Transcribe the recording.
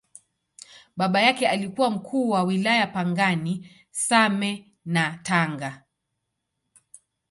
Baba yake alikuwa Mkuu wa Wilaya Pangani, Same na Tanga.